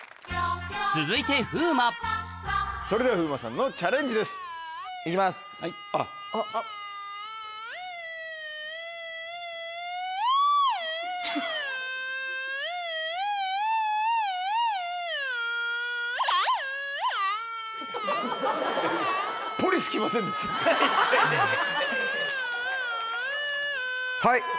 続いてそれでは風磨さんのチャレンジです。いきます。ハハハハハハ。はい。